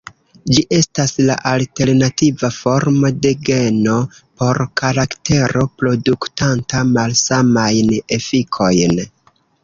Ĝi estas la alternativa formo de geno por karaktero produktanta malsamajn efikojn.